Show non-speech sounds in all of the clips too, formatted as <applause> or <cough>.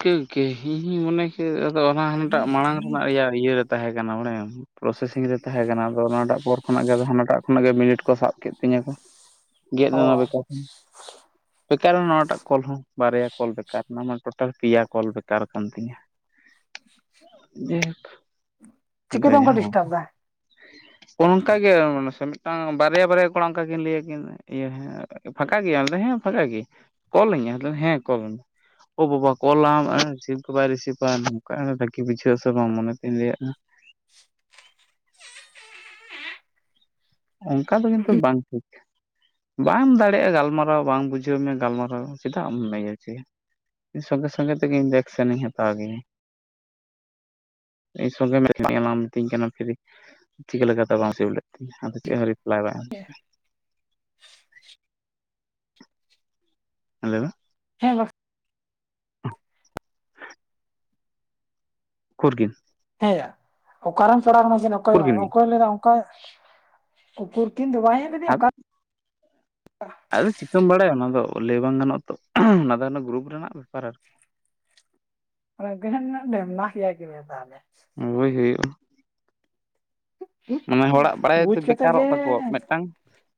ᱠᱨ ᱠ ᱦᱤ ᱦ ᱢᱚᱱᱮ ᱟᱫᱚ ᱚᱱᱟᱴᱟᱜ ᱢᱟᱲᱟᱝ ᱨᱮᱱᱟᱜ ᱭᱟ ᱤᱭᱟᱹᱨᱮ ᱛᱟᱦᱮᱸ ᱠᱟᱱᱟ ᱵᱟᱲᱟᱭᱟᱢ ᱯᱨᱚᱥᱮᱥᱤᱝ ᱨᱮ ᱛᱟᱦᱮᱸ ᱠᱟᱱᱟ ᱟ ᱚᱱᱟᱴᱟᱜ ᱯᱚᱨ ᱠᱷᱚᱱᱟᱜ ᱜᱮ ᱦᱟᱱᱟᱴᱟᱜ ᱠᱷᱚᱱᱟᱜ ᱜᱮ ᱢᱤᱱᱤᱴ ᱠᱚ ᱥᱟᱵ ᱠᱮᱫ ᱛᱤᱧᱟᱹ ᱠᱚ ᱜᱮᱫ ᱞᱮᱱᱟ ᱚ ᱵᱮᱠᱟᱨ ᱦᱚᱸ ᱵᱮᱠᱟᱨ ᱮᱱᱟ ᱱᱚᱣᱟᱴᱟᱜ ᱠᱚᱞ ᱦᱚᱸ ᱵᱟᱨᱭᱟ ᱠᱚᱞ ᱵᱮᱠᱟᱨ ᱮᱱᱟ ᱴᱳᱴᱟᱞ ᱯᱮᱭᱟ ᱠᱚᱞ ᱵᱮᱠᱟᱨ ᱠᱟᱱ ᱛᱤᱧᱟᱹ ᱡᱮᱦᱳᱠ ᱪᱤᱠᱟᱹᱛᱮ ᱚᱱᱠᱟ ᱰᱤᱥᱴᱟᱵ ᱫᱟ ᱚᱱᱠᱟᱜᱮ ᱢᱟᱱᱮ ᱢᱤᱫᱴᱟᱝ ᱵᱟᱨᱭᱟ ᱵᱟᱨᱭᱟ ᱠᱚᱲᱟ ᱚᱱᱠᱟ ᱞᱟᱹᱭᱟᱠᱤᱱ ᱤᱭᱟᱹ ᱦᱮᱸ ᱯᱷᱟᱸᱠᱟ ᱜᱮᱭᱟᱢ ᱟᱫᱚ ᱦᱮᱸ ᱯᱷᱟᱸᱠᱟ ᱜᱮᱭᱟᱧ ᱠᱚᱞ ᱟᱹᱧ ᱦᱮᱸ ᱠᱚᱞ ᱢᱮ ᱚ ᱵᱟᱵᱟ ᱠᱚᱞᱟᱢ ᱟᱨ ᱨᱤᱥᱤᱵᱦ ᱜᱮ ᱵᱟᱭ ᱨᱤᱥᱤᱷᱟ ᱱᱚᱝᱠᱟ ᱨᱟᱹᱜᱤ ᱵᱩᱡᱷᱟᱹᱜ ᱟᱥᱮ ᱵᱟᱝ ᱢᱚᱱᱮ ᱛᱤᱧ ᱞᱟᱹᱭᱟᱼᱟ <inaudible> ᱚᱱᱠᱟ ᱫᱚ ᱠᱤᱱᱛᱩ ᱵᱟᱝ ᱴᱷᱤᱠ ᱵᱟᱢ ᱫᱟᱲᱮᱭᱟᱜᱼᱟ ᱜᱟᱞᱢᱟᱨᱟᱣ ᱵᱟᱝ ᱵᱩᱡᱷᱟᱹᱣ ᱢᱮ ᱜᱟᱞᱢᱟᱨᱟᱣ ᱪᱮᱫᱟᱜ ᱮᱢ ᱞᱟᱹᱭ ᱦᱚᱪᱚᱭᱟ ᱥᱚᱸᱜᱮ ᱥᱚᱸᱜᱮ ᱛᱮᱜᱮᱧ ᱮᱠᱥᱮᱱ ᱤᱧ ᱦᱟᱛᱟᱣ ᱜᱮᱭᱟ ᱤᱧ ᱥᱚᱸᱜᱮ ᱢᱞᱟ ᱢᱤᱛᱟᱹᱧ ᱠᱟᱱᱟ ᱯᱷᱤᱨᱤ ᱪᱤᱠᱟᱹᱠᱟ ᱞᱮᱠᱟᱛᱮ ᱵᱟᱝ ᱨᱤᱥᱤᱵ ᱞᱮᱫ ᱛᱤᱧᱟᱹ ᱟᱫᱚ ᱪᱮᱫ ᱦᱚᱸ ᱨᱤᱯᱞᱟᱭ ᱵᱟᱭ ᱮᱢ ᱦᱮ ᱞᱟᱹᱭ ᱢᱮ ᱦᱮᱸ ᱩᱠᱩᱨ ᱠᱤᱱ ᱦᱮᱸ ᱚᱠᱟᱨᱮᱢ ᱯᱮᱲᱟ ᱠᱟᱱᱟ ᱚᱠᱚᱭ ᱠᱩᱨ ᱠᱤᱱᱤᱧ ᱚᱠᱚᱭ ᱞᱟᱹᱭᱫᱟ ᱚᱱᱠᱟ ᱩᱠᱩᱨ ᱠᱤᱱᱛᱩ ᱵᱟᱭ ᱨᱮᱫ ᱟᱫᱚ ᱚᱠᱟ ᱟᱫᱚ ᱪᱤᱠᱟᱹᱢ ᱵᱟᱲᱟᱭ ᱚᱱᱟ ᱟᱫᱚ ᱞᱟᱹᱭ ᱵᱟᱝ ᱜᱟᱱᱚᱜᱼᱟ ᱛᱚ ᱚᱱᱟ ᱫᱚ ᱜᱨᱩᱯ ᱨᱮᱱᱟᱜ ᱵᱮᱯᱟᱨ ᱟᱨᱠᱤ ᱰ <unintelligible> ᱱᱟ ᱠ ᱠ ᱛᱟᱦᱞᱮ ᱦᱳᱭ ᱦᱩᱭᱩᱜᱼᱟ ᱢᱟᱱᱮ ᱦᱚᱲᱟᱜ ᱵᱟᱲᱟᱭ ᱫᱚ ᱵᱩᱡ ᱠᱟᱛᱮ ᱜᱮ ᱵᱮᱠᱟᱨᱚᱜ ᱛᱟᱠᱚᱭᱟ ᱢᱤᱫᱴᱟᱝ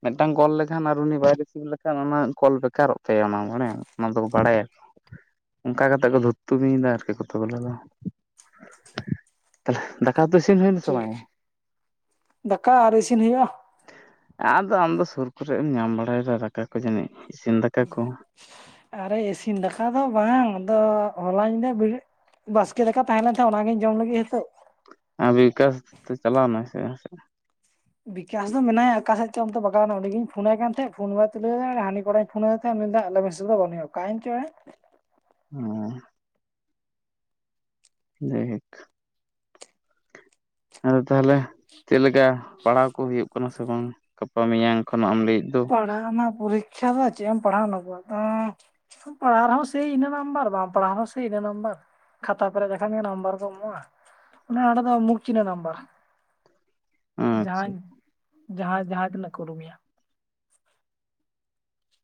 ᱢᱤᱫᱴᱟᱝ ᱠᱚᱞ ᱞᱮᱠᱷᱟᱱ ᱟᱨ ᱩᱱᱤ ᱵᱟᱭ ᱨᱤᱥᱤᱵᱷ ᱞᱮᱠᱷᱟᱱ ᱚᱱᱟ ᱠᱚᱞ ᱵᱮᱠᱟᱨᱚᱜ ᱛᱟᱭᱟ ᱚᱱᱟ ᱢᱟᱱᱮ ᱚᱱᱟ ᱫᱚ ᱵᱟᱲᱟᱭᱟᱠᱚ ᱚᱱᱠᱟ ᱠᱟᱛᱮᱜ ᱠᱚ ᱫᱷᱩᱢᱤᱭᱮᱫᱟ ᱟᱨᱠᱤ ᱠᱚᱛ ᱜᱩᱞᱟᱮ ᱫᱚ ᱫᱟᱠᱟ ᱩᱛᱩᱛᱴ ᱤᱥᱤᱱ ᱦᱩᱭᱱᱟ ᱵᱟᱝ ᱴᱷᱤᱠ ᱭᱟ ᱫᱟᱠᱟ ᱟᱨ ᱤᱥᱤᱱ ᱦᱩᱭᱩᱜᱼᱟ ᱟᱫᱚ ᱟᱢ ᱫᱚ ᱥᱩᱨ ᱠᱚᱨᱮ ᱮᱢ ᱧᱟᱢ ᱵᱟᱲᱟᱭᱮᱫᱟ ᱫᱟᱠᱟ ᱠᱚ ᱡᱟᱹᱱᱤᱡ ᱤᱥᱤᱱ ᱫᱟᱠᱟ ᱠᱚ ᱟᱨᱮ ᱤᱥᱤᱱ ᱫᱟᱠᱟ ᱫᱚ ᱵᱟᱝ ᱟᱫᱚ ᱦᱚᱞᱟᱧᱤᱫᱟᱹᱵᱮᱨᱮᱜ ᱵᱟᱥᱠᱮ ᱫᱟᱠᱟ ᱛᱟᱦᱮᱸ ᱞᱮᱱ ᱛᱟᱦᱮᱸ ᱚᱱᱟᱜᱤᱧ ᱡᱚᱢ ᱞᱟᱹᱜᱤᱫ ᱱᱤᱛᱚᱜ <unintelligible> ᱪᱟᱞᱟᱣ ᱢᱮ ᱥᱮ ᱥᱮ ᱵᱤᱠᱟᱥ ᱫᱚ ᱢᱮᱱᱟᱭᱟ ᱚ ᱟᱠᱟᱠᱟᱥᱮᱫ ᱪᱚᱢ ᱫᱚ ᱵᱟᱜᱟᱣᱮᱱᱟ ᱩᱱᱜᱤᱧ ᱯᱷᱳᱱᱟᱭ ᱠᱟᱱ ᱛᱟᱦᱮᱸᱟᱦᱮᱫ ᱯᱷᱳᱱ ᱵᱟᱭ ᱛᱩᱞᱟᱹᱣᱫᱟ ᱮᱸᱲᱮ ᱦᱟᱹᱱᱤ ᱠᱚᱲᱟᱧ ᱯᱷᱳᱱ ᱟᱫᱮ ᱛᱟᱦᱮᱸᱱᱟ ᱟ <unintelligible> ᱢᱮᱥ ᱨᱮᱫᱚ ᱵᱟᱹᱱᱩᱭ ᱭᱟ ᱟᱠᱟᱭᱮᱱ ᱪᱚ ᱮᱸᱲᱮ ᱚ ᱱᱮᱠ ᱟᱫᱚ ᱛᱟᱦᱚᱞᱮ ᱪᱮᱫᱞᱮᱠᱟ ᱯᱟᱲᱦᱟᱣ ᱠᱚ ᱦᱩᱭᱩᱜ ᱠᱟᱱᱟ ᱥᱮ ᱵᱟᱝ ᱜᱟᱯᱟ ᱢᱮᱭᱟᱝ ᱠᱷᱚᱱ ᱮᱢᱟᱜ ᱮᱢ ᱞᱟᱹᱭᱮᱫ ᱫᱚ ᱯᱟᱲᱦᱟᱣ ᱢᱟ ᱯᱚᱨᱤᱠᱠᱷᱟ ᱫᱚ ᱪᱮᱫ ᱮᱢ ᱯᱟᱲᱦᱟᱣ ᱱᱟ ᱠᱚᱣᱟ ᱯᱟᱲᱦᱟᱜ ᱨᱮᱦᱚᱸ ᱥᱮᱭ ᱤᱱᱟᱹ ᱟᱢᱵᱟᱨ ᱵᱟᱝ ᱯᱟᱲᱦᱟᱣ ᱨᱮᱦ ᱥᱮᱭ ᱱᱟᱢᱵᱟᱨ ᱠᱷᱟᱛᱟ ᱯᱮᱨᱮᱡ ᱞᱮᱠᱷᱟᱱ ᱜᱮ ᱱᱟᱢᱵᱟᱨ ᱠᱚᱢ ᱮᱢᱚᱜᱼᱟ ᱚᱱᱟ ᱟ ᱫᱚ ᱢᱩᱠᱛᱤ ᱨᱮᱱᱟᱜ ᱱᱟᱢᱵᱟᱨ ᱟᱪᱪᱷᱟ ᱡᱟᱦᱟᱸᱭ ᱡᱟᱦᱟᱸ ᱡᱟᱦᱟᱸ ᱛᱤᱱᱟᱹᱜ ᱠᱩᱨᱩᱢᱩᱭᱟ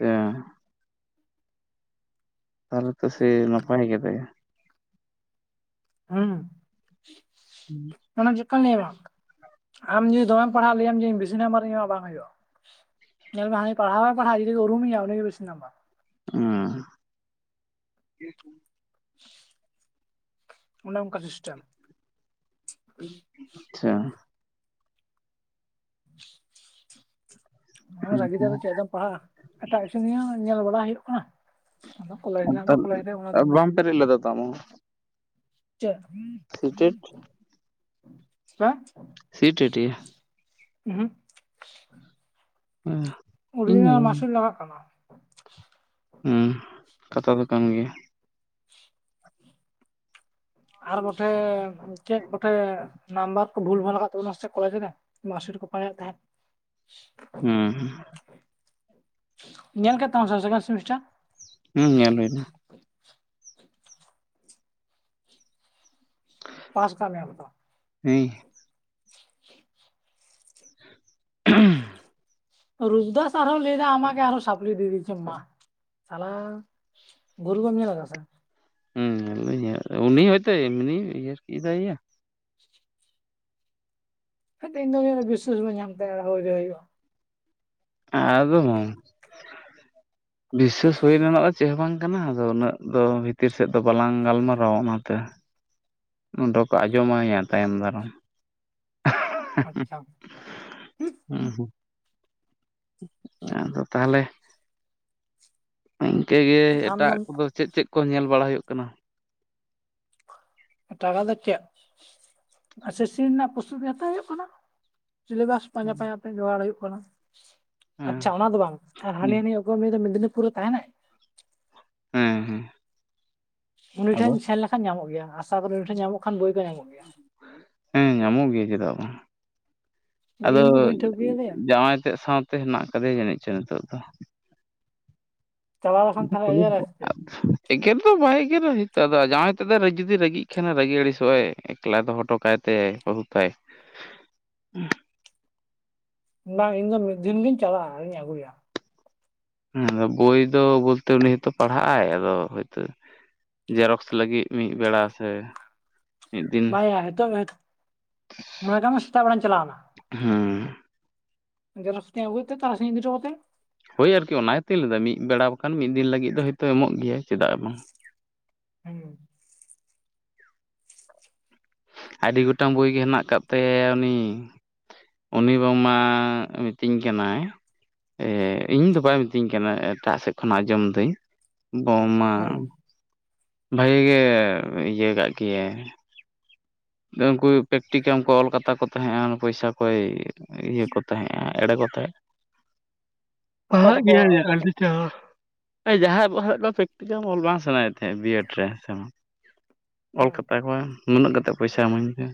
ᱦᱮ ᱛᱟᱦᱚᱞᱮ ᱛᱚ ᱥᱮ ᱱᱟᱯᱟᱭ ᱠᱟᱛᱟᱭᱟ ᱦᱩᱸ ᱚᱱᱟ ᱪᱤᱠᱚᱱ ᱞᱟᱹᱭ ᱵᱟᱝ ᱟᱢ ᱡᱩᱫᱤ ᱫᱚᱢᱮᱢ ᱯᱟᱲᱦᱟᱜ ᱞᱟᱹᱭᱭᱟᱢ ᱡᱮᱧ ᱵᱮᱥᱤ ᱱᱟᱢᱟᱨᱤᱧᱟ ᱵᱟᱝ ᱦᱩᱭᱩᱜᱼᱟ ᱧᱮᱞ ᱢᱮ ᱦᱟᱱᱮ ᱯᱟᱲᱦᱣ ᱵᱟᱭ ᱯᱟᱲᱦᱟᱣᱜ ᱡᱩᱫᱤ ᱠᱚ ᱩᱨᱩᱭᱮᱭᱟ ᱩᱱᱤ ᱜᱮ ᱡᱟᱹᱥᱛᱤ ᱱᱟᱢᱵᱟᱨ ᱚ ᱚᱱᱮ ᱚᱱᱠᱟ ᱥᱤᱥᱴᱮᱢ ᱟᱪᱪᱷᱟ <inaudible> ᱨᱟᱹᱜᱤ ᱫᱟ ᱫᱚ ᱪᱮᱫ ᱫᱚᱢ ᱯᱟᱲᱦᱟᱜᱼᱟ ᱮᱴᱟᱜᱪᱩᱱᱤᱭ ᱧᱮᱞ ᱵᱟᱲᱟ ᱦᱩᱭᱩᱜ ᱠᱟᱱᱟ ᱟᱫᱚ ᱠᱚᱞᱮᱡᱽ ᱨᱮᱱᱟᱜ ᱟᱪᱪᱷᱟ ᱫᱚ ᱠᱚᱞᱮᱡᱽ ᱨᱮ ᱢᱮᱱᱟᱜ-ᱟ ᱵᱟᱢ ᱯᱮᱨᱮᱡ ᱞᱮᱫᱟ ᱛᱚ ᱟᱢ ᱦᱚᱸ ᱪᱮᱫ ᱥᱤᱴᱮᱴ ᱪᱮᱫ ᱥᱤᱴᱮᱴ-ᱟ ᱦᱩᱸ ᱚᱨᱤᱡᱤᱱᱟᱞ ᱢᱟᱥᱩᱨ ᱞᱟᱜᱟᱜ ᱠᱟᱱᱟ ᱦᱮᱸ ᱠᱟᱛᱷᱟ ᱫᱚ ᱠᱟᱱ ᱜᱮᱭᱟ ᱟᱨ ᱢᱚᱴᱮ ᱪᱮᱫ ᱱᱟᱢᱵᱟᱨ ᱠᱚ ᱵᱷᱩᱞ ᱵᱷᱷᱟᱞ ᱟᱠᱟᱫ ᱛᱟᱵᱚᱱᱟ ᱥᱮ ᱠᱚᱞᱮᱡᱽ ᱨᱮ ᱢᱟᱨᱥᱤᱴ ᱠᱚ ᱯᱟᱸᱡᱮᱫ ᱛᱟᱦᱮᱸᱫ ᱦᱮᱸ ᱧᱮᱞ ᱠᱟᱠ ᱛᱟᱢᱟᱢ ᱥᱮ ᱥᱮᱠᱮᱱᱰ ᱥᱮᱢᱤᱥᱴᱟᱹᱨ ᱦᱮᱸ ᱧᱮᱞ ᱦᱩᱭ ᱮᱱᱟ ᱯᱟᱥ ᱟᱠᱟᱫ ᱞᱮᱭᱟ ᱠᱚ ᱛᱚ ᱦᱚᱭ <inaudible> <unintelligible> ᱨᱩᱯᱫᱟᱥ ᱟᱨᱟᱨ ᱦᱚᱸ ᱞᱟᱹᱭ ᱫᱟ ᱟᱢᱟ ᱠ ᱟᱨᱦᱚᱸ ᱥᱟᱯᱲ ᱫᱤᱤ ᱢᱟ ᱥᱟᱞᱟᱜ ᱜᱩᱨᱩ ᱜᱚᱢ ᱧᱮᱞ ᱠᱟᱫᱟ ᱥᱮ ᱦᱮᱸ ᱩᱱᱤ ᱦᱚᱭᱛᱳ ᱮᱢᱱᱤ ᱤᱭᱟᱨᱠᱤ ᱫᱟᱭ- ᱟ ᱤᱧ ᱫᱚ ᱵᱤᱥᱟᱥ ᱵᱟᱭ ᱧᱟᱢ ᱛᱟᱭᱟ ᱦᱩᱭ ᱨᱮ ᱮᱲᱮ ᱦᱩᱭᱩᱜ-ᱟ ᱟᱫᱚ ᱢᱟ ᱵᱤᱥᱥᱟᱹᱥ ᱦᱩᱭ ᱨᱮᱱᱟᱜ ᱫᱚ ᱪᱮᱫ ᱦᱚᱸ ᱵᱟᱝ ᱠᱟᱱᱟ ᱟᱫᱚ ᱩᱱᱟᱹᱜ ᱫᱚ ᱵᱷᱤᱛᱤᱨ ᱥᱮᱫ ᱫᱚ ᱵᱟᱞᱟᱝ ᱜᱟᱞᱢᱟᱨᱟᱣᱟ ᱚᱱᱟᱛᱮ ᱚᱸᱰᱮ ᱠᱚ ᱟᱸᱡᱚᱢ ᱟᱭᱟ ᱛᱟᱭᱚᱢ ᱫᱟᱨᱟᱢ ᱟᱪᱪᱷᱟ ᱦᱩᱸ ᱦᱩᱜᱻᱭᱩ ᱦᱩᱸ ᱟᱫᱚ ᱛᱟᱦᱚᱞᱮ ᱤᱱᱠᱟᱹ ᱜᱮ ᱟᱢ ᱮᱴᱟᱜ ᱫᱚᱢ ᱠᱚᱫᱚ ᱪᱮᱫ ᱪᱮᱫ ᱠᱚ ᱧᱮᱞ ᱵᱟᱲᱟ ᱦᱩᱭᱩᱜ ᱠᱟᱱᱟ ᱴᱟᱠᱟ ᱫᱚ ᱪᱮᱫ <unintelligible> ᱟᱪᱪ ᱥᱤ ᱨᱮᱱᱟᱜ ᱯᱚᱥ ᱜᱮ ᱦᱟᱛᱟᱣ ᱦᱩᱭᱩᱜ ᱠᱟᱱᱟ ᱥᱤᱞᱮᱵᱟᱥ ᱯᱟᱸᱡᱟ ᱦᱩᱸ ᱯᱟᱸᱡᱟ ᱛᱮ ᱡᱚᱜᱟᱲ ᱦᱩᱭᱩᱜ ᱠᱟᱱᱟ ᱦᱮᱸ ᱟᱪᱪᱷᱟ ᱚᱱᱟ ᱫᱚ ᱵᱟᱝ ᱟᱨ ᱦᱟᱹᱱᱤᱼ ᱦᱮᱸ ᱦᱟᱹᱱᱤᱜ ᱫᱚ ᱢᱮᱫᱽᱱᱤᱯᱩᱨ ᱨᱮ ᱛᱟᱦᱮᱱᱟᱭ ᱦᱮᱸ ᱦᱮᱸ ᱩᱱᱤ ᱴᱷᱮᱱ ᱟᱫᱚ ᱥᱮᱱ ᱞᱮᱠᱷᱟᱱ ᱧᱟᱢᱚᱜ ᱜᱮᱭᱟ ᱟᱥᱟ ᱠᱚᱨᱤ ᱩᱱᱤ ᱴᱷᱮᱱ ᱧᱟᱢᱚᱜ ᱠᱷᱟᱱ ᱵᱳ ᱦᱮᱸ ᱧᱟᱢᱚᱜ ᱜᱮᱭᱟ ᱪᱮᱫᱟᱜ ᱵᱟᱝ ᱵᱟ ᱟᱫᱚ ᱤᱧ ᱫᱚ ᱵᱟᱹᱧ ᱴᱷᱟᱹᱣᱠᱟᱹᱭ ᱫᱮᱭᱟ ᱡᱟᱶᱟᱭ ᱛᱮᱫ ᱥᱟᱶᱛᱮ ᱦᱮᱱᱟᱜ ᱠᱟᱫᱮᱭᱟᱟᱹᱱᱤᱡ ᱪᱚᱝ ᱱᱤᱛᱚᱜ ᱫᱚ ᱪᱟᱞᱟᱣ ᱞᱮᱠᱷᱟᱱ ᱛᱟᱦᱚᱞᱮ ᱤᱭᱟᱹᱨᱮ ᱥᱮ <unintelligible> ᱮᱜᱮᱨ ᱫᱚ ᱵᱟᱭ ᱮᱜᱮᱨᱟᱭ ᱦᱚᱭᱤᱛᱚᱜ ᱟᱫᱚ ᱡᱟᱣᱟᱸᱭ ᱦᱤᱛᱟᱭ ᱫᱚ ᱡᱩᱫᱤ ᱨᱟᱹᱜᱤᱜ ᱠᱷᱟᱱᱟ ᱨᱟᱹᱜᱤ ᱟᱹᱲᱤᱥᱚᱜᱼ ᱟᱭ ᱮᱠᱞᱟ ᱫᱚ ᱦᱞᱦᱚᱴᱚᱠᱟᱭᱛᱮ ᱟᱭ ᱵᱚᱦᱩᱯᱟᱭ <unintelligible> ᱵᱟᱝ ᱤᱧᱫᱚ ᱢᱤᱫ ᱫᱤᱱ ᱞᱤᱧ ᱪᱟᱞᱟᱜᱼᱟ ᱟᱨᱤᱧ ᱟᱹᱜᱩᱭᱟ ᱦᱮᱸ ᱟᱫᱚ ᱵᱳᱭ ᱫᱚ ᱵᱚᱞᱛᱮ ᱩᱱᱤ ᱦᱚᱭᱛᱳ ᱯᱟᱲᱦᱟᱜ ᱟᱭ ᱟᱫᱚ ᱦᱚᱭᱛᱳ ᱡᱮᱨᱚᱠᱥ ᱞᱟᱹᱜᱤᱫ ᱢᱤᱫ ᱵᱮᱲᱟ ᱥᱮ ᱢᱤᱫ ᱫᱤᱱ ᱵᱟᱭ ᱱᱤᱛᱚᱜ ᱢᱮ ᱛᱟᱜ ᱢᱟ ᱥᱮᱛᱟᱜ ᱵᱮᱲᱟᱧ ᱪᱟᱞᱟᱣᱱᱟ ᱦᱮᱸ ᱡᱮᱨᱚᱨᱥ ᱛᱮ ᱟᱹᱜᱩᱭᱛᱮ ᱛᱟᱨᱟᱥᱤᱸᱧ ᱤᱫᱤᱴᱚ ᱠᱟᱛᱮ ᱦᱳᱭ ᱟᱨᱠᱤ ᱚᱱᱟᱭ ᱛᱤᱧ ᱞᱮᱫᱟ ᱢᱤᱫ ᱵᱮᱲᱟ ᱵᱟᱠᱷᱟᱱ ᱢᱤᱫ ᱫᱤᱱ ᱞᱟᱹᱜᱤᱫ ᱫᱚ ᱦᱚᱭᱛᱚ ᱮᱢᱚᱜ ᱜᱮᱭᱟ ᱪᱮᱫᱟᱜ ᱵᱟᱝ ᱦᱮᱸ ᱟᱹᱰᱤ ᱜᱚᱴᱟᱝ ᱵᱳᱭ ᱜᱮ ᱢᱮᱱᱟᱜ ᱠᱟᱫ ᱛᱟᱭᱟ ᱩᱱᱤ ᱩᱱᱤ ᱵᱟᱝᱢᱟ ᱢᱤᱛᱟᱹᱧ ᱠᱟᱱᱟᱭ ᱮ ᱤᱧ ᱫᱚ ᱵᱟᱭ ᱢᱤᱛᱟᱹᱧ ᱠᱟᱱᱟ ᱮᱴᱟᱜ ᱥᱮᱫ ᱠᱷᱚᱱᱟᱧ ᱟᱸᱡᱚᱢ ᱫᱟᱹᱧ ᱵᱟᱝ ᱢᱟ ᱦᱩᱸ ᱵᱷᱟᱜᱤ ᱜᱮ ᱤᱭᱟᱹ ᱠᱟᱜ ᱜᱮᱭᱟᱭ ᱩᱱᱠᱩ ᱯᱮᱠᱴᱤᱠᱢ ᱠᱚ ᱚᱞ ᱠᱟᱛᱟ ᱠᱚ ᱛᱟᱦᱮᱸᱜᱼᱟ ᱯᱚᱭᱥᱟ ᱠᱚᱭ ᱤᱭᱟᱹ ᱠᱚ ᱛᱟᱦᱮᱸᱜᱼᱟ ᱮᱲᱮ ᱠᱚ ᱚᱠᱚᱭ ᱯᱟᱦᱟᱜ ᱛᱟᱠᱚ ᱜᱮᱭᱟᱭ ᱟᱵᱚ ᱛᱟᱠᱚ ᱟᱹᱰᱤ ᱪᱮᱦᱟ ᱡᱟᱦᱟᱸᱭᱵ ᱯᱨᱮᱠᱴᱤᱠᱮᱞ ᱚᱞ ᱵᱟᱝ ᱥᱟᱱᱟᱭᱮᱫ ᱛᱟᱦᱮᱸ ᱵᱤᱭᱮᱰ ᱨᱮ ᱥᱮ ᱚᱞ ᱦᱩᱸ ᱠᱟᱛᱟ ᱠᱚᱣᱟ ᱱᱩᱱᱟᱹᱜ ᱠᱟᱛᱮ ᱮ ᱯᱚᱭᱥᱟ ᱤᱢᱟᱹᱧ ᱯᱮ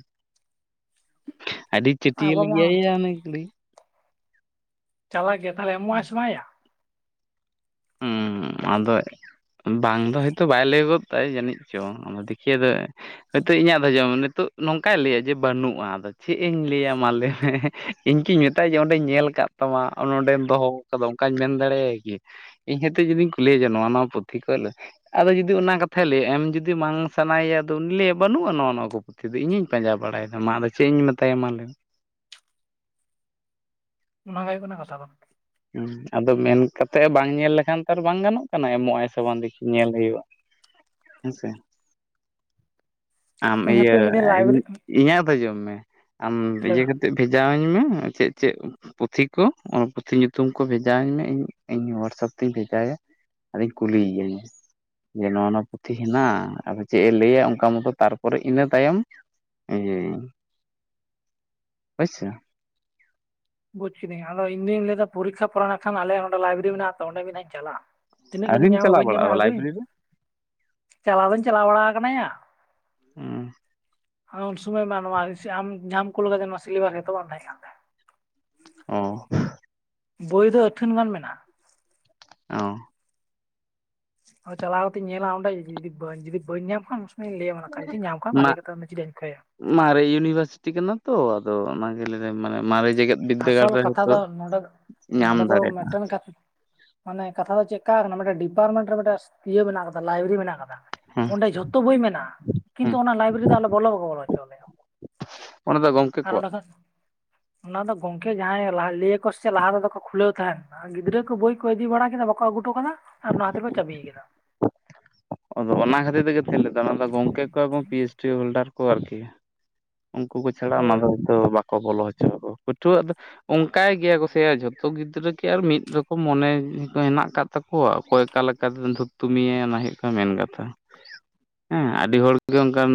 ᱟᱹᱰᱤ ᱪᱟᱹᱴᱭᱮᱞ ᱟᱵᱚ ᱢᱟ ᱜᱮᱭᱟᱭ ᱭᱟ ᱚᱱᱮᱠᱩᱞᱤ ᱪᱟᱞᱟᱜ ᱜᱮᱭᱟ ᱛᱟᱦᱚᱞᱮ ᱮᱢᱚᱜ ᱟᱭ ᱥᱮ ᱵᱟᱝᱟ ᱥᱮᱭᱟ ᱭᱟ ᱦᱩᱸ ᱟᱫᱚ ᱵᱟᱝ ᱫᱚ ᱦᱚᱳᱭᱛᱳ ᱵᱟᱭ ᱞᱟᱹᱭ ᱜᱚᱫ ᱛᱟᱭ ᱡᱟᱹᱱᱤᱡ ᱪᱚᱝ ᱚᱱᱟ ᱫᱤᱠᱷᱤᱭᱟᱹ ᱫᱚ ᱦᱚᱭᱛᱳ ᱤᱧᱟᱜ ᱫᱚ ᱡᱚᱢ ᱱᱤᱛᱳ ᱱᱚᱝᱠᱟᱭ ᱞᱟᱹᱭᱟ ᱡᱮ ᱵᱟᱹᱱᱩᱜᱼᱟ ᱟᱫᱚ ᱪᱮᱫ ᱤᱧ ᱞᱟᱹᱭᱟ ᱢᱟ ᱞᱟᱹᱭ ᱢᱮ ᱦᱮᱻᱦᱮ ᱤᱧ ᱠᱤᱧ ᱢᱮᱛᱟᱭ ᱡᱮ ᱰᱮᱧ ᱧᱮᱞ ᱠᱟᱜ ᱟᱜ ᱛᱟᱢᱟ ᱚᱸᱰᱮᱢ ᱫᱚᱦᱚ ᱠᱟᱫᱟ ᱚᱱᱠᱟᱧ ᱢᱮᱱ ᱫᱟᱲᱮᱭᱟᱭ ᱜᱮ ᱤᱧ ᱦᱛᱮᱡ ᱡᱩᱫᱤᱧ ᱠᱩᱞᱤᱭᱮ ᱡᱮᱭᱟ ᱱᱚᱣᱟ ᱱᱚᱣᱟ ᱯᱩᱛᱷᱤ ᱠᱷᱚᱱᱚᱡ ᱟᱫᱚ ᱡᱩᱫᱤ ᱚᱱᱟ ᱠᱟᱛᱷᱟᱭ ᱞᱟᱹᱭᱭᱟ ᱮᱢ ᱡᱩᱫᱤ ᱵᱟᱝ ᱥᱟᱱᱟᱭᱮᱭᱟ ᱟᱫᱚ ᱩᱱᱤ ᱞᱟᱹᱭᱟ ᱵᱟᱹᱱᱩᱜᱼᱟ ᱱᱚᱜ ᱱᱚᱣᱟ ᱠᱚ ᱯᱩᱛᱷᱤ ᱫᱚ ᱤᱧᱤᱧ ᱯᱟᱸᱡᱟ ᱵᱟᱲᱟᱭᱟ ᱢᱟ ᱟᱫᱚ ᱪᱮᱫ ᱤᱧ ᱢᱮᱛᱟᱭᱟ ᱢᱟ ᱞᱟᱹᱭᱢᱮ <unintelligible> ᱚᱱᱟᱱᱟᱜ ᱦᱩᱭᱩᱜ ᱠᱟᱱᱟ ᱠᱟᱛᱷᱟ ᱫᱚ ᱦᱮᱸ ᱟᱫᱚ ᱢᱮᱱ ᱠᱟᱛᱮᱮᱫ ᱵᱟᱝ ᱧᱮᱞ ᱞᱮᱠᱷᱟᱱ ᱛᱚ ᱵᱟᱝ ᱜᱟᱱᱚᱜ ᱠᱟᱱᱟ ᱮᱢᱚᱜ ᱟᱭ ᱥᱮ ᱵᱟᱝ ᱫᱤ ᱧᱮᱞ ᱦᱩᱭᱩᱜᱼᱟ ᱦᱮᱸ ᱥᱮ ᱟᱢ ᱤᱧ ᱤᱭᱟᱹ ᱦᱟᱯᱮ ᱢᱤᱫ ᱫᱤᱱ ᱞᱟᱭᱵᱨᱮᱨᱤ ᱤᱧᱟᱜ ᱫᱚ ᱡᱚᱢ ᱢᱮ ᱟᱢ ᱞᱟᱹᱭ ᱤᱭᱟᱹ ᱢᱮ ᱠᱟᱛᱮ ᱵᱷᱮᱡᱟ ᱟᱹᱧ ᱢᱮ ᱪᱮᱫ ᱪᱮᱫ ᱯᱩᱛᱷᱤ ᱠᱚ ᱯᱩᱛᱷᱤ ᱧᱩᱛᱩᱢ ᱧᱩᱛᱩᱢ ᱠᱚ ᱵᱷᱮᱡᱟ ᱟᱹᱧ ᱢᱮ ᱤᱧ ᱤᱧ ᱦᱳᱣᱟᱴᱥᱮᱯ ᱛᱮᱧ ᱵᱷᱮᱡᱟᱭᱭᱟ ᱟᱨᱤᱧ ᱠᱩᱞᱤᱭᱮᱤᱭᱟᱹᱧ ᱡᱮ ᱱᱚᱣᱟᱼ ᱱᱚᱣᱟ ᱯᱩᱛᱷᱤ ᱦᱮᱱᱟᱜᱼᱟ ᱟᱫᱚ ᱪᱮᱫᱼ ᱮ ᱞᱟᱹᱭᱟ ᱚᱱᱠᱟ ᱢᱚᱛᱚ ᱛᱟᱨᱯᱚᱨᱮ ᱤᱱᱟᱹ ᱛᱟᱭᱚᱢ ᱦᱚᱭ ᱥᱮ ᱵᱩᱡᱽ ᱠᱤᱫᱟᱹᱧ ᱟᱫᱚ ᱤᱧ ᱫᱩᱧ ᱞᱟᱹᱭ ᱮᱫᱟ ᱯᱚᱨᱤᱠᱠᱷᱟ ᱯᱚᱨ ᱠᱷᱟᱱ ᱟᱞᱮ ᱚᱸᱰᱮ ᱞᱟᱭᱵᱨᱮᱨᱤ ᱢᱮᱱᱟᱜ ᱛᱚ ᱚᱸᱰᱮ ᱢᱤᱫ ᱫᱷᱟᱣ ᱤᱧ ᱪᱟᱞᱟᱜᱼᱟ ᱛᱤᱱᱟᱹᱜ ᱜᱟᱱᱤᱧ ᱟᱹᱣᱨᱤᱢ ᱧᱟᱢᱟ ᱪᱟᱞᱟᱣ ᱵᱟᱹᱧ ᱧᱟᱢᱟ ᱵᱟᱲᱟᱜᱼᱟ ᱟᱹᱜᱩᱭᱤᱧ ᱞᱟᱭᱵᱨᱮᱨᱤ ᱨᱮ ᱪᱟᱞᱟᱣ ᱫᱩᱧ ᱪᱟᱞᱟᱣ ᱵᱟᱲᱟ ᱟᱠᱟᱱᱟᱭᱟ ᱦᱮᱸ ᱦᱮ ᱩᱱ ᱥᱚᱢᱚᱭ ᱢᱟ ᱱᱚᱣᱟ ᱟᱢ ᱡᱟᱦᱟᱸᱢ ᱠᱳᱞᱠᱟᱛ ᱱᱚᱣᱟ ᱥᱤᱞᱮᱵᱟᱥ ᱨᱮᱛᱚ ᱵᱟᱝ ᱛᱟᱦᱮᱸ ᱠᱟᱱ ᱛᱟᱦᱮᱸ ᱚ ᱵᱳᱭ ᱫᱚ ᱟᱹᱛᱷᱟᱹᱱ ᱜᱟᱱ ᱢᱮᱱᱟᱜᱼᱟ ᱚᱦᱚ ᱟᱫᱚ ᱪᱟᱞᱟᱣ ᱠᱟᱛᱮᱧ ᱧᱮᱞᱟ ᱚᱸᱰᱮ ᱡᱩᱫᱤ ᱵᱟᱹᱧ ᱡᱩᱫᱤ ᱵᱟᱹᱧ ᱧᱟᱢ ᱠᱷᱟᱱ ᱥᱚᱢᱚᱭᱤᱧ ᱞᱟᱹᱭᱟᱢ ᱱᱟᱠᱷᱟᱡ ᱡᱩᱫᱤ ᱧᱟᱢ ᱠᱷᱟᱱ ᱵᱷᱟᱞᱮ ᱠᱟᱛᱷᱟ ᱪᱮᱫᱟᱜ ᱤᱧ ᱠᱷᱚᱭᱟ ᱢᱟᱨᱮ ᱤᱭᱩᱱᱤᱵᱷᱟᱨᱥᱤᱴᱤ ᱠᱟᱱᱟ ᱛᱚ ᱟᱫᱚ ᱚᱱᱟ ᱜᱮ ᱟᱱᱮ ᱢᱟᱨᱮ ᱡᱮᱜᱮᱛ ᱵᱤᱫᱽᱫᱟᱹᱜᱟᱲ ᱟᱥᱚᱞ ᱨᱮ ᱠᱟᱛᱷᱟ ᱦᱚᱳᱭᱛᱳ ᱫᱚ ᱱᱚᱰᱮ ᱧᱟᱢ ᱱᱚᱰᱮ ᱫᱚ ᱫᱟᱲᱮᱭᱟᱜᱼᱟ ᱢᱤᱫᱴᱮᱱ ᱠᱟᱛᱷᱟ ᱢᱟᱱᱮ ᱠᱟᱛᱷᱟ ᱫᱚ ᱪᱮ ᱠᱟ ᱱᱟᱮᱱ ᱥᱮ ᱰᱤᱯᱟᱨᱴᱢᱮᱱᱴ ᱨᱮ ᱢᱤᱫ ᱤᱭᱟᱹ ᱢᱮᱱᱟᱜ ᱟᱠᱟᱫᱟ ᱞᱟᱭᱵᱮᱨᱤ ᱢᱮᱱᱟᱜ ᱟᱠᱟᱫᱟ ᱦᱮᱸ ᱚᱸᱰᱮ ᱡᱷᱚᱛᱚ ᱵᱳᱭ ᱢᱮᱱᱟᱜᱼᱟ ᱠᱤᱱᱛᱩ ᱦᱮᱸ ᱚᱱᱟ ᱞᱟᱭᱵᱨᱮᱨᱤ ᱫᱚ ᱟᱞᱮ ᱵᱚᱞᱚ ᱵᱟᱠᱚ ᱵᱚᱞᱚ ᱦᱚᱪᱚᱣᱟ ᱞᱮᱭᱟ ᱚᱱᱟ ᱫᱚ ᱜᱚᱢᱠᱮ ᱠᱚᱣᱟᱜ ᱚᱱᱟ ᱫᱚ ᱜᱚᱝᱠᱮ ᱡᱟᱦᱟᱸᱞᱟᱦᱟ ᱞᱟᱹᱭᱟᱠᱚ ᱥᱮ ᱞᱟᱦᱟ ᱛᱮᱫᱚ ᱠᱚ ᱠᱷᱩᱞᱟᱹᱣ ᱛᱟᱦᱮᱸᱱ ᱜᱤᱫᱽᱨᱟᱹ ᱠᱚ ᱵᱳᱭ ᱠᱚ ᱤᱫᱤ ᱵᱟᱲᱟ ᱠᱮᱫᱟ ᱵᱟᱠᱚ ᱟᱹᱜᱩᱴᱚ ᱠᱟᱫᱟ ᱟᱨ ᱱᱚᱣᱟ ᱛᱮᱠᱚ ᱪᱟᱵᱤᱭ ᱟᱠᱟᱫᱟ <unintelligible> ᱚᱫᱚ ᱚᱱᱟ ᱠᱷᱟᱹᱛᱤᱨ ᱛᱮᱜᱛᱤᱧ ᱞᱮᱫᱟᱹᱭᱟ ᱚᱱᱟ ᱫᱚ ᱜᱚᱝᱠᱮ ᱠᱚ ᱮᱵᱚᱝ ᱯᱤ ᱮᱭᱤᱪᱰᱤ ᱦᱳᱞᱰᱟᱨ ᱠᱚ ᱟᱨᱠᱤ ᱩᱱᱠᱩ ᱠᱚ ᱪᱷᱟᱲᱟ ᱚᱱᱟ ᱦᱳᱭ ᱫᱚᱛ ᱵᱟ ᱠᱚ ᱵᱚᱞᱚ ᱦᱚᱪᱚᱣᱟ ᱠᱚ ᱯᱟᱹᱴᱷᱩᱣᱟᱜ ᱫᱚ ᱚᱱᱠᱟᱭ ᱜᱮᱭᱟ ᱠᱚᱥᱮᱭᱟ ᱡᱷᱚᱛᱚ ᱜᱤᱫᱽᱨᱟᱹ ᱠᱤ ᱟᱨ ᱢᱤᱫ ᱨᱚᱠᱚᱢ ᱢᱚᱱᱮ <unintelligible> ᱦᱮᱱᱟᱜ ᱟᱠᱟᱫ ᱛᱟᱠᱚᱣᱟ ᱚᱠᱚᱭ ᱚᱠᱟ ᱞᱮᱠᱟᱛᱮ ᱫᱷᱩᱯᱛᱩ ᱢᱤᱭᱟᱭ ᱚᱱᱟ ᱦᱩᱭᱩᱜ ᱠᱟᱱᱟ ᱢᱮᱱ ᱠᱟᱛᱷᱟ ᱦᱮᱸ ᱟᱹᱰᱤ ᱦᱚᱲᱜᱮ ᱚᱱᱠᱟᱱ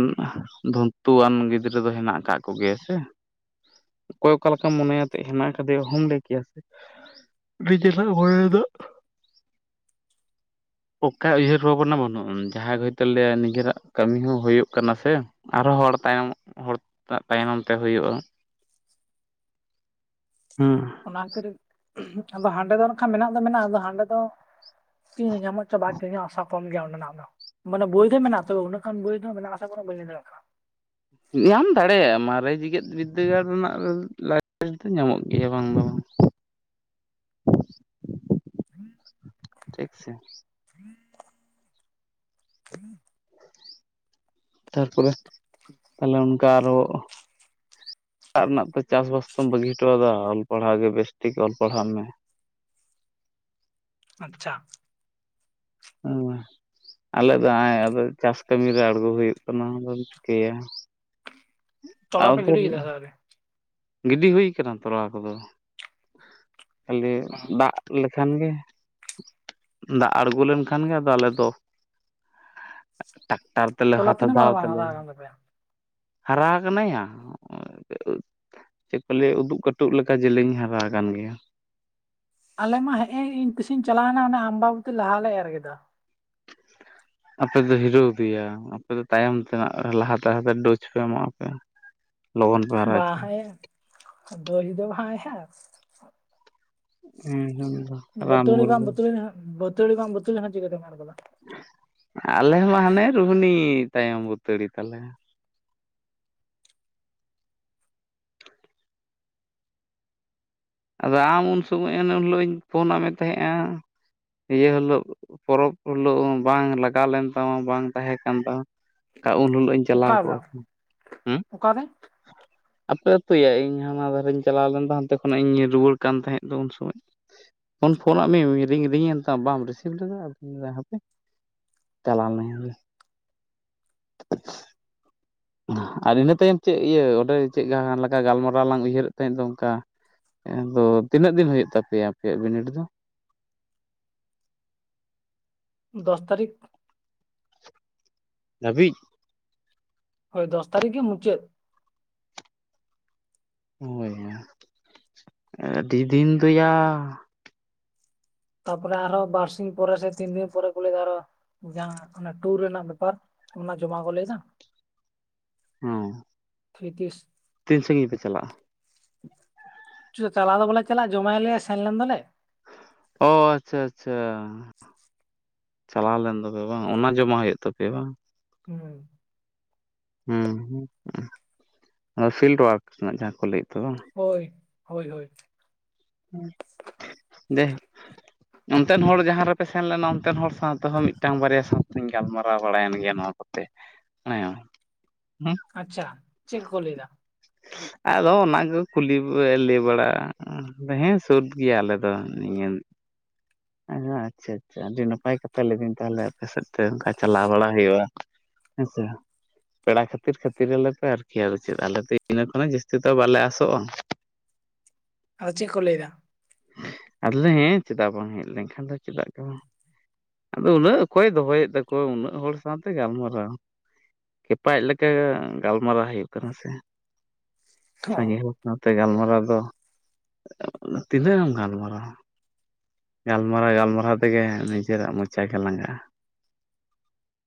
ᱫᱷᱚᱱᱛᱩᱣᱟᱱ ᱜᱤᱫᱽᱨᱟᱹ ᱫᱚ ᱦᱮᱱᱟᱜ ᱠᱟᱜ ᱠᱚᱜᱮᱭᱟ ᱥᱮ ᱚᱠᱚᱭ ᱚᱠᱟ ᱞᱮᱠᱟᱢ ᱢᱚᱱᱮᱭᱟᱛᱮ ᱦᱮᱱᱟᱜ ᱠᱟᱫᱮᱭᱟ ᱚᱦᱚᱢ ᱞᱟᱹᱭ ᱠᱮᱭᱟ ᱥᱮ <unintelligible> ᱦᱚᱭ ᱫᱚ ᱚᱠᱟ ᱩᱭᱦᱟᱹᱨ ᱵᱷᱟᱵᱱᱟ ᱵᱟᱹᱱᱩᱜᱼᱟ ᱡᱟᱦᱟᱸᱭ ᱦᱚᱭᱛᱚ ᱞᱮᱭᱟ ᱱᱤᱡᱮᱨᱟᱜ ᱠᱟᱹᱢᱤ ᱦᱚᱸ ᱦᱩᱭᱩᱜ ᱠᱟᱱᱟ ᱥᱮ ᱟᱨᱚ ᱦᱚᱲ ᱛᱟᱭᱚᱢ ᱦᱚᱲ ᱛᱟᱭᱱᱚᱢ ᱛᱮ ᱦᱩᱭᱩᱜᱼᱟ ᱦᱩᱸ ᱚᱱᱟ ᱠᱚᱨᱮ ᱟᱫᱚ ᱦᱟᱸᱰᱮ ᱫᱚᱠᱷᱟᱱ ᱢᱮᱱᱟᱜ ᱫᱚ ᱢᱮᱱᱟᱜᱼᱟ ᱟᱫᱚ ᱦᱟᱸᱰᱮ ᱫᱚ ᱛᱤᱱᱨᱮ ᱧᱟᱢᱚᱜ ᱪᱚ ᱵᱟᱝᱪᱚ ᱤᱧᱟᱜ ᱟᱥᱟ ᱠᱚᱢ ᱜᱮᱭᱟ ᱚᱸᱰᱮᱱᱟᱜ ᱫᱚ ᱢᱟᱱᱮ ᱵᱳᱭ ᱫᱚ ᱢᱮᱱᱟᱜ ᱛᱚᱵᱮ ᱠᱷᱟᱱ ᱵᱳᱭ ᱫᱚ ᱢᱮᱱᱟᱜ ᱟᱥᱮᱚᱱᱳ <unintelligible> ᱵᱟᱹᱧ ᱞᱟᱹᱭ ᱫᱟᱲᱮᱭᱟᱜ ᱠᱟᱱᱟ ᱧᱟᱢ ᱫᱟᱲᱮᱭᱟᱜᱼᱟ ᱢᱟᱨᱮ ᱡᱮᱜᱮᱛ ᱵᱤᱫᱽᱫᱟᱹᱜᱟᱲ ᱨᱮᱱᱟᱜ ᱫᱚ ᱧᱟᱢᱚᱜ ᱜᱮᱭᱟ ᱵᱟᱝ ᱫᱚ ᱵᱟᱝ <inaudible> ᱴᱷᱤᱠ ᱥᱮ <inaudible> ᱛᱟᱨᱯᱚᱨᱮ ᱛᱟᱦᱞᱮ ᱚᱱᱠᱟ ᱟᱨᱚ ᱚᱲᱟᱜ ᱨᱮᱱᱟᱜ ᱛᱚ ᱪᱟᱥᱼᱵᱟᱥ ᱛᱚᱢ ᱵᱟᱹᱜᱤ ᱦᱚᱴᱚ ᱟᱫᱟ ᱚᱞ ᱯᱟᱲᱦᱟᱣ ᱜᱮ ᱵᱮᱥ ᱴᱷᱤᱠ ᱚᱞ ᱯᱟᱲᱦᱟᱜ ᱢᱮ <inaudible> ᱟᱪᱪᱷᱟ ᱚ ᱟᱞᱮ ᱫᱚ ᱟᱫᱚ ᱪᱟᱥ ᱠᱟᱹᱢᱤᱨᱮ ᱟᱬᱜᱚ ᱦᱩᱭᱩᱜ ᱠᱟᱱᱟ ᱟᱫᱚᱢ ᱪᱤᱠᱟᱹᱭᱟ ᱟᱨ ᱛᱚᱞᱟ ᱯᱮ ᱚᱱᱛᱮ ᱜᱤᱲᱤ ᱠᱮᱫᱟ ᱥᱮ ᱟᱹᱣᱨᱤ ᱜᱤᱰᱤ ᱦᱩᱭ ᱠᱟᱱᱟ ᱛᱚᱞᱟ ᱠᱚᱫᱚ ᱠᱷᱟᱹᱞᱤ ᱦᱚᱸ ᱫᱟᱜ ᱞᱮᱠᱷᱟᱱ ᱜᱮ ᱫᱟᱜ ᱟᱬᱜᱚ ᱞᱮᱱᱠᱷᱟᱱ ᱜᱮ ᱟᱫᱚ ᱟᱞᱮ ᱫᱚ ᱴᱨᱟᱠᱴᱟᱨ ᱛᱮᱞᱮ ᱛᱚᱞᱟ ᱦᱟᱛ ᱛᱤᱱᱟᱹᱜ ᱦᱟᱫᱷᱟᱣ ᱢᱟᱨᱟᱝ ᱢᱟᱨᱟᱝ ᱦᱟᱨᱟ ᱛᱟᱞᱮᱭᱟ ᱟᱠᱟᱱ ᱛᱟᱯᱮᱭᱟ ᱦᱟᱨᱟ ᱠᱟᱱᱟᱭᱟ ᱪᱮᱫ ᱯᱟᱞᱮ ᱩᱫᱩᱜ ᱠᱟᱹᱴᱩᱵ ᱞᱮᱠᱟ ᱡᱮᱞᱮᱧ ᱦᱟᱨᱟ ᱟᱠᱟᱱ ᱜᱮᱭᱟ ᱟᱞᱮ ᱢᱟ ᱦᱮᱸ ᱮᱸ ᱤᱧ ᱛᱤᱥᱤᱧ ᱪᱟᱞᱟᱣᱱᱟ ᱟᱢᱵᱟᱵᱚᱛᱤ ᱞᱟᱦᱟᱞᱮ ᱮᱨ ᱠᱮᱫᱟ ᱟᱯᱮ ᱫᱚ ᱦᱤᱨᱟᱹᱣᱫᱮᱭᱟ ᱟᱯᱮ ᱫᱚ ᱛᱟᱭᱚᱢ ᱛᱮᱱᱟᱜ ᱞᱟᱦᱟᱛᱮᱟᱦᱛᱮ ᱰᱳᱡᱽ ᱯᱮ ᱮᱢᱟᱣᱯᱮᱭᱟ ᱞᱚᱜᱚᱱ ᱦᱟᱨᱟᱪᱮ <unintelligible> ᱫᱦ ᱫᱚ ᱵᱷᱟᱭ ᱦ <unintelligible> ᱦᱩᱸ ᱦᱮᱸ ᱵᱟᱹᱛᱟᱹᱲᱤ ᱵᱟᱝ ᱵᱟᱹᱛᱤ ᱵᱟᱹᱛᱟᱹᱲᱤ ᱵᱟᱝ ᱵᱟᱹᱛᱩᱤ ᱦᱟᱸᱜ ᱪᱤᱠᱟᱹᱛᱮᱢ ᱮᱨ‌ ᱜᱚᱞᱟ ᱟᱞᱮ ᱢᱟ ᱦᱟᱱᱮ ᱨᱩᱦᱩᱱᱤ ᱛᱟᱭᱚᱢ ᱵᱷᱟᱹᱛᱟᱹᱲᱤ ᱛᱟᱞᱮ ᱟᱫᱚ ᱟᱢ ᱩᱱ ᱥᱚᱢᱚᱭ ᱮᱱ ᱦᱤᱞᱳᱜ ᱤᱧ ᱯᱷᱳᱱᱟᱜ ᱢᱮ ᱛᱟᱦᱮᱸᱫᱼᱟ ᱤᱭᱟᱹ ᱦᱤᱞᱳᱜ ᱯᱚᱨᱚᱵᱽ ᱦᱤᱞᱳᱜ ᱵᱟᱝ ᱞᱟᱜᱟᱣ ᱞᱮᱱ ᱛᱟᱢᱟ ᱵᱟᱝ ᱛᱟᱦᱮᱸ ᱠᱟᱱ ᱛᱟᱢᱟ ᱩᱱ ᱦᱤᱞᱳᱜ ᱤᱧ ᱪᱟᱞᱟᱣ ᱚᱠᱟ ᱠᱚᱜᱼᱟ ᱵᱟᱝ ᱦᱩᱸ ᱚᱠᱟᱨᱮ ᱚᱠᱟᱨᱮ ᱟᱯᱮ ᱟᱛᱩᱭᱟ ᱤᱧ ᱦᱟᱱᱟ ᱫᱷᱟᱨᱮᱧ ᱪᱟᱞᱟᱣ ᱞᱮᱱ ᱫᱚ ᱦᱟᱱᱛᱮ ᱠᱷᱚᱱᱟᱜ ᱤᱧ ᱧᱤᱨ ᱨᱩᱣᱟᱹᱲ ᱠᱟᱱ ᱛᱟᱦᱮᱸᱫ ᱫᱚ ᱩᱱ ᱥᱚᱢᱚᱭ ᱯᱷᱚᱱ ᱯᱷᱳᱱᱟᱜ ᱢᱤᱧ ᱨᱤᱝ ᱮᱱ ᱛᱟᱢ ᱵᱟᱢ ᱨᱤᱥᱤᱵᱷ ᱞᱮᱫᱟ ᱟᱫᱚᱧ <unintelligible> ᱦᱟᱯᱮ ᱪᱟᱞᱟᱣᱱᱟ ᱟᱨ ᱤᱱᱟᱹ ᱛᱟᱭᱚᱢ ᱪᱮᱫ ᱤᱭᱟᱹ ᱚᱸᱰᱮ ᱪᱮᱫ ᱞᱮᱠᱟ ᱜᱟᱞᱢᱟᱨᱟᱣ ᱞᱟᱝ ᱩᱭᱦᱟᱹᱨᱮᱫ ᱛᱟᱦᱮᱸᱫ ᱫᱚ ᱚᱱᱠᱟ ᱟᱫᱚ ᱛᱤᱱᱟᱹᱜ ᱫᱤᱱ ᱦᱩᱭᱩᱜ ᱛᱟᱯᱮᱭᱟ ᱟᱯᱮᱭᱟᱜ ᱵᱤᱱᱤᱰ ᱫᱚ <inaudible> ᱫᱚᱥ ᱛᱟᱹᱨᱤᱠᱷ ᱫᱷᱟᱹᱵᱤᱡ ᱦᱳᱭ ᱫᱚᱥ ᱛᱟᱹᱨᱤᱠᱷ ᱜᱮ ᱢᱩᱪᱟᱹᱫ ᱦᱳᱭ ᱟᱹᱰᱤ ᱫᱤᱱ ᱫᱚᱭᱟ ᱛᱟᱯᱚᱨᱮ ᱟᱨᱚ ᱵᱟᱨᱥᱤᱧ ᱯᱚᱨᱮ ᱥᱮ ᱛᱤᱱ ᱫᱤᱱ ᱯᱚᱨᱮ ᱠᱩ ᱞᱟᱭ ᱫᱟ ᱟᱨᱚ ᱡᱟᱦᱟᱸ ᱚᱱᱟ ᱴᱩᱨ ᱨᱮᱱᱟᱜ ᱵᱮᱯᱟᱨ ᱚᱱᱟ ᱡᱚᱢᱟ ᱠᱚ ᱞᱟᱹᱭᱮᱫᱟ ᱦᱮᱸ <unintelligible> ᱛᱷᱭᱛᱤᱥ ᱛᱤᱱ ᱥᱟᱺᱜᱤᱧ ᱯᱮ ᱪᱟᱞᱟᱜᱼᱟ ᱪᱟᱞᱟᱣ ᱫᱚ ᱵᱚᱞᱮ ᱪᱟᱞᱟᱜᱼᱟ ᱡᱚᱢᱟᱭᱟᱞᱮ ᱥᱮᱱ ᱞᱮᱱ ᱫᱚᱞᱮ ᱚ ᱟᱪᱷᱟ ᱟᱪᱷᱟ <inaudible> ᱪᱟᱞᱟᱣ ᱞᱮᱱ ᱫᱚᱯᱮ ᱵᱟᱝ ᱚᱱᱟ ᱡᱚᱢᱟ ᱦᱩᱭᱩᱜ ᱛᱟᱯᱮᱭᱟ ᱵᱟᱝ ᱦᱮᱸ ᱦᱮᱸ ᱟᱫᱚ ᱯᱷᱤᱞᱰ ᱚᱣᱟᱨᱠ ᱨᱮᱱᱟᱜ ᱡᱟᱦᱟᱸ ᱠᱚ ᱞᱟᱹᱭ ᱦᱳᱭ ᱦᱳᱭ ᱦᱳᱭ ᱫᱮᱦ ᱚᱱᱛᱮᱱ ᱦᱚᱲ ᱡᱟᱦᱟᱸ ᱨᱮᱯᱮ ᱥᱮᱱ ᱞᱮᱱᱟ ᱚᱱᱛᱮᱱ ᱦᱚᱲ ᱥᱟᱶᱛᱮᱦᱚᱸ ᱢᱤᱫᱴᱟᱝ ᱵᱟᱨᱭᱟ ᱥᱟᱶᱛᱮᱧ ᱜᱟᱞᱢᱟᱨᱟᱣ ᱵᱟᱲᱟᱭᱮᱱ ᱜᱮᱭᱟ ᱱᱚᱣᱟ ᱚᱱᱟ ᱠᱚᱛᱮ ᱦᱮᱸ ᱟᱪᱷᱟ ᱪᱮᱫ ᱠᱚᱠᱚ ᱞᱟᱹᱭᱫᱟ? ᱟᱫᱚ ᱚᱱᱟ ᱠᱚ ᱠᱩᱞᱤ ᱞᱟᱹᱭ ᱵᱟᱲᱟᱜᱼᱟ ᱦᱮᱸ ᱥᱟᱹᱫ ᱜᱮᱭᱟ ᱟᱞᱮ ᱫᱚ ᱱᱤᱭᱟᱹ <inaudible> ᱟᱪᱷᱟ ᱟᱪᱷᱟ ᱟᱹᱰᱤ ᱱᱟᱯᱟᱭ ᱠᱟᱛᱷᱟ ᱞᱟᱹᱭᱤᱫᱟᱹᱧ ᱛᱟᱦᱚᱞᱮ ᱟᱯᱮ ᱥᱮᱫ ᱛᱮ ᱚᱱᱠᱟ ᱪᱟᱞᱟᱣ ᱵᱟᱲᱟ ᱦᱩᱭᱩᱜᱼᱟ ᱦᱮᱸᱥᱮ ᱦᱟᱸᱜ ᱯᱮᱲᱟ ᱠᱷᱟᱹᱛᱤᱨ ᱠᱷᱟᱹᱛᱤᱨ ᱟᱞᱮ ᱯᱮ ᱟᱨᱠᱤ ᱟ ᱪᱮᱫ ᱟᱞᱮ ᱤᱱᱟᱹ ᱠᱷᱚᱱᱮ ᱡᱟᱹᱥᱛᱤ ᱫᱚᱚ ᱵᱟᱞᱮ ᱟᱥᱚᱜᱼᱟ <inaudible> ᱟᱫᱚ ᱪᱮᱫ ᱠᱚ ᱞᱟᱹᱭᱫᱟ? ᱟᱞᱮ ᱦᱮᱸ ᱪᱮᱫᱟᱜ ᱵᱟᱝ ᱦᱮᱸᱡ ᱞᱮᱱᱠᱷᱟᱱ ᱫᱚ ᱪᱮᱫᱟᱜ ᱜᱮ ᱵᱟᱝ? ᱟᱫᱚ ᱩᱱᱟᱹᱜ ᱚᱠᱚᱭ ᱫᱚᱦᱚᱭᱮᱫ ᱛᱟᱠᱚᱣᱟ ᱩᱱᱟᱹᱜ ᱦᱚᱲ ᱥᱟᱶᱛᱮ ᱜᱟᱞᱢᱟᱨᱟᱣ? ᱠᱷᱮᱯᱟᱤᱡ ᱞᱮᱠᱟ ᱜᱟᱞᱢᱟᱨᱟᱣ ᱦᱩᱭᱩᱜ ᱠᱟᱱᱟ ᱥᱮ ᱥᱟᱸᱜᱮ ᱚ ᱦᱚᱲ ᱥᱟᱶᱛᱮ ᱜᱟᱞᱢᱟᱨᱟᱣ ᱫᱚ ᱛᱤᱱᱟᱹᱜ ᱮᱢ ᱜᱟᱞᱢᱟᱨᱟᱣᱟ? ᱜᱟᱞᱢᱟᱨᱟᱣ ᱜᱟᱞᱢᱟᱨᱟᱣ ᱛᱮᱜᱮ ᱱᱤᱡᱮᱨᱟᱜ ᱢᱚᱪᱟ ᱜᱮ ᱞᱟᱸᱜᱟᱜᱼᱟ